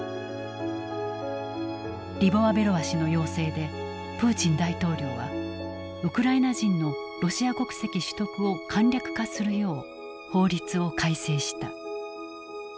リボワベロワ氏の要請でプーチン大統領はウクライナ人のロシア国籍取得を簡略化するよう法律を改正した。